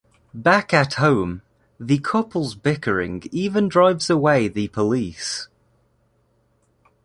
Back at home, the couple's bickering even drives away the police.